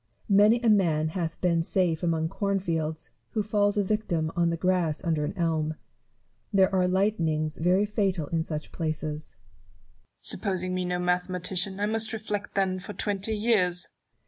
Many a man hath been safe among corn fields, who falls a victim on the grass under an elm. There are lightnings very fatal in such places. Newton. Supposing me no mathematician, I must reflect then for twenty years